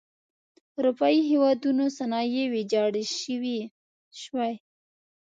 اروپايي هېوادونو صنایع ویجاړې شوئ.